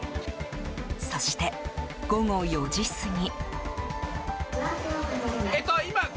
そして、午後４時すぎ。